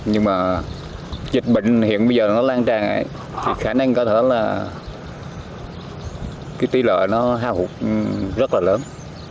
nhưng mà dịch bệnh hiện bây giờ nó lan tràn ấy thì khả năng có thể là cái tí lợi nó hao hụt rất là lớn